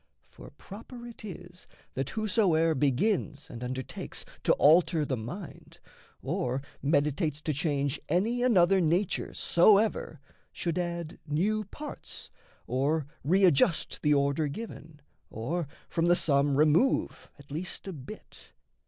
For proper it is That whosoe'er begins and undertakes To alter the mind, or meditates to change Any another nature soever, should add New parts, or readjust the order given, Or from the sum remove at least a bit.